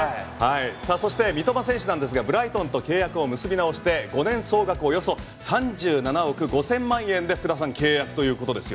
さあそして三笘選手なんですがブライトンと契約を結び直して５年総額およそ３７億５０００万円で福田さん、契約ということです。